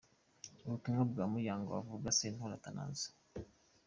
Ubutumwa bwa Muyango avuga Sentore Athanase .